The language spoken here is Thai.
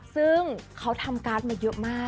ซึ่งเขาทำการท์มาเยอะ